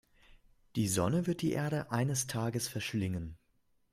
Die Sonne wird die Erde eines Tages verschlingen.